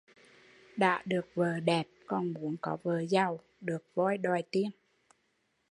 Đã được vợ đẹp còn muốn có vợ giàu, được voi đòi tiên